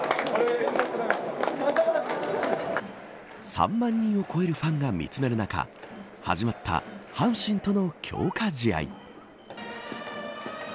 ３万人を超えるファンが見つめる中始まった阪神との強化試合。